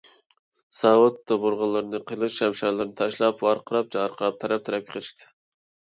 ساۋۇت - دۇبۇلغىلىرىنى، قىلىچ - شەمشەرلىرىنى تاشلاپ، ۋارقىراپ - جارقىراپ تەرەپ - تەرەپكە قېچىشتى.